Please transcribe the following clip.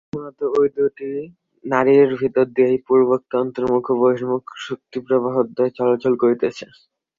প্রধানত ঐ দুইটি নাড়ীর ভিতর দিয়াই পূর্বোক্ত অন্তর্মুখ ও বহির্মুখ শক্তিপ্রবাহদ্বয় চলাচল করিতেছে।